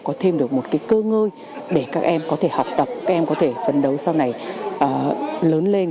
có thêm được một cái cơ ngơi để các em có thể học tập các em có thể phấn đấu sau này lớn lên